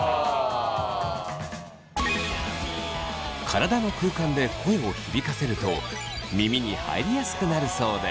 体の空間で声を響かせると耳に入りやすくなるそうです。